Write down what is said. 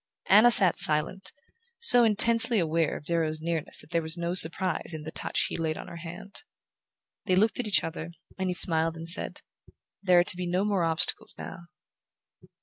Anna sat silent, so intensely aware of Darrow's nearness that there was no surprise in the touch he laid on her hand. They looked at each other, and he smiled and said: "There are to be no more obstacles now."